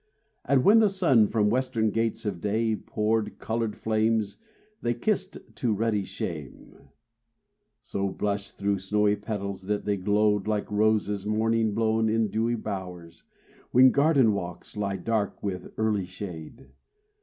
And when the sun from western gates of day Poured colored flames, they, kissed to ruddy shame, So blushed through snowy petals, that they glowed Like roses morning blown in dewy bowers, When garden walks lie dark with early shade.